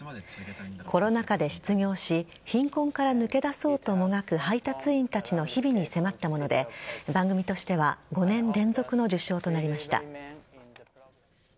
コロナ禍で失業し貧困から抜け出そうともがく配達員たちの日々に迫ったもので番組としては５年連続の受賞となりました。